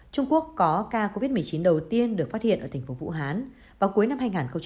trung quốc có ca covid một mươi chín đầu tiên được phát hiện ở thành phố vũ hán vào cuối năm hai nghìn hai mươi